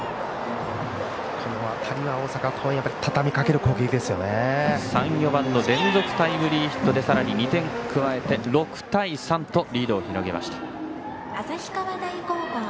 この辺りは大阪桐蔭３、４番の連続タイムリーヒットでさらに２点加えて６対３とリードを広げました。